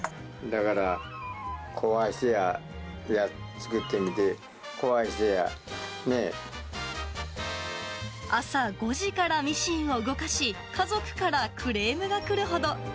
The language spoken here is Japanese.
だから壊しては作ってみて、朝５時からミシンを動かし、家族からクレームが来るほど。